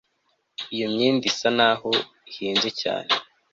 Iyo myenda isa naho ihenze cyane